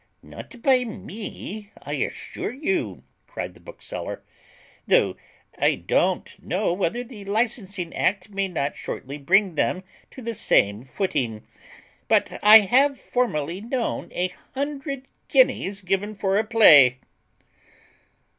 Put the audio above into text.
"Not by me, I assure you," cried the bookseller, "though I don't know whether the licensing act may not shortly bring them to the same footing; but I have formerly known a hundred guineas given for a play."